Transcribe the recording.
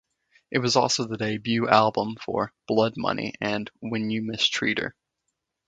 It was also the debut album for "Blood Money" and "When You Mistreat Her".